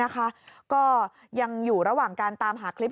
ก็ยังอยู่ระหว่างการตามหาคลิป